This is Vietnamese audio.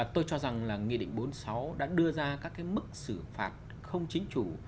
tôi cho rằng là nghị định bốn mươi sáu đã đưa ra các cái mức xử phạt không chính chủ